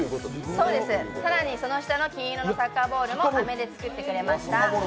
更にその下の金色のサッカーボールもあめで作ってくれました。